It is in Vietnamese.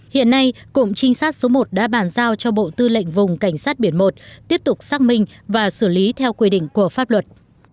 hiện nay cụm trinh sát số một đã bàn giao cho bộ tư lệnh vùng cảnh sát biển một tiếp tục xác minh và xử lý theo quy định của pháp luật